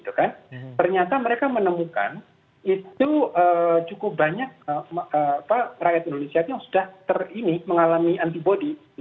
ternyata mereka menemukan itu cukup banyak rakyat indonesia yang sudah mengalami antibody